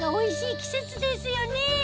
季節ですよね